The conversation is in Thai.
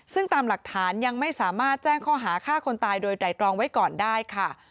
ซึ่งตามหลักฐานยังไม่สามารถแจ้งข้อหาฆ่าคนตายโดยไตรตรองไว้ก่อนได้ค่ะ